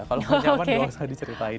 kalau nggak nyaman nggak usah diceritain